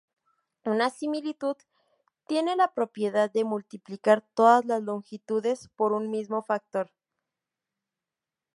Una similitud tiene la propiedad de multiplicar todas las longitudes por un mismo factor.